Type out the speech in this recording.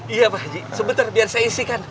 iya pak haji sebentar biar saya isikan